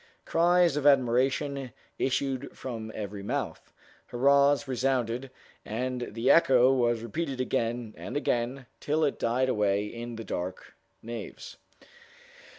Cries of admiration issued from every mouth. Hurrahs resounded, and the echo was repeated again and again till it died away in the dark naves.